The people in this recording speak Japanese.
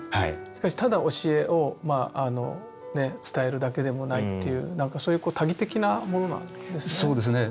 しかしただ教えを伝えるだけでもないっていうなんかそういう多義的なものなんですね。